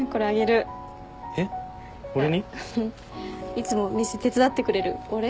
いつも店手伝ってくれるお礼。